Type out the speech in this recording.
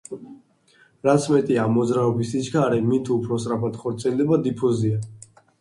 რაც მეტია ამ მოძრაობის სიჩქარე, მით უფრო სწრაფად ხორციელდება დიფუზია.